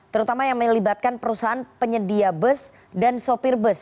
terutama yang melibatkan perusahaan penyedia bus dan sopir bus